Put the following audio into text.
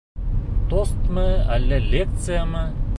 Тостмы, әллә лекциямы?